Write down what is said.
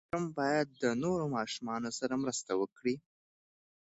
ماشوم باید د نورو ماشومانو سره مرسته وکړي.